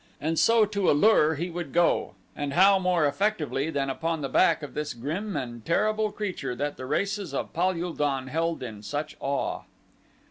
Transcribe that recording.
And so to A lur he would go, and how more effectively than upon the back of this grim and terrible creature that the races of Pal ul don held in such awe?